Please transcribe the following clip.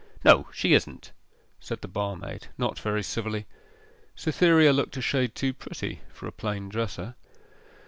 'No, she isn't,' said the barmaid, not very civilly. Cytherea looked a shade too pretty for a plain dresser.